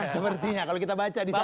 sepertinya kalau kita baca di sana